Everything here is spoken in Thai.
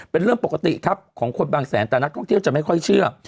เป็นเรื่องปกติครับของคนบางแสนแต่นักท่องเที่ยวจะไม่ค่อยเชื่อ